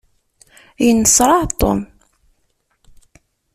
Yenneṣṛaɛ Tom.